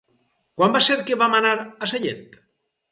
Quan va ser que vam anar a Sellent?